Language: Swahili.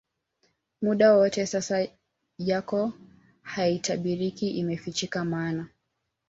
muda wote sasa yako haitabiriki Imefichika maana